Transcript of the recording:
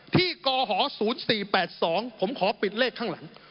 กห๐๔๘๒ผมขอปิดเลขข้างหลัง